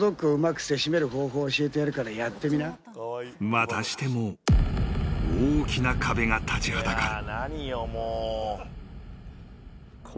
［またしても大きな壁が立ちはだかる］